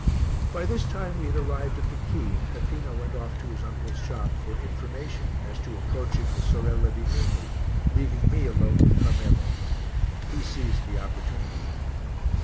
By this time we had arrived at the quay and Peppino went off to his uncle's shop for information as to approaching the Sorella di Ninu, leaving me alone with Carmelo. He seized the opportunity.